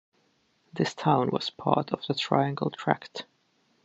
This town was part of The Triangle Tract.